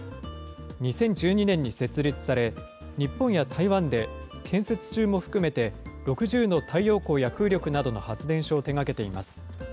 ２０１２年に設立され、日本や台湾で建設中も含めて６０の太陽光や風力などの発電所を手がけています。